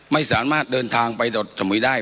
ไม่สามารถเดินทางไปดอดสมุยได้